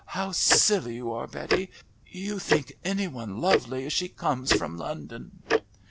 "How silly you are, Betty! You think any one lovely if she comes from London."